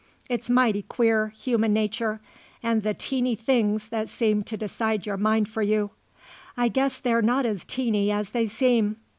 It's mighty queer, human nature, and the teeny things that seem to decide your mind for you; I guess they're not as teeny as they seem.